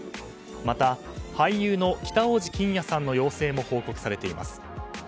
また、俳優の北大路欣也さんの陽性も報告されています。